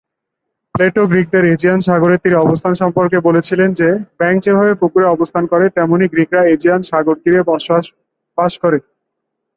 Plato গ্রীকদের Aegean সাগরের তীরে অবস্থান সম্পর্কে বলেছিলেন যে, ব্যাঙ যেভাবে পুকুরে অবস্থান করে, তেমনি গ্রীকরা এজিয়ান সাগর-তীরে বাস করে।